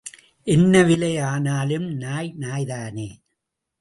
என்ன விலை ஆனாலும் நாய் நாய்தானே?